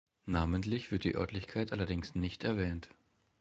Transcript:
Namentlich wird die Örtlichkeit allerdings nicht erwähnt.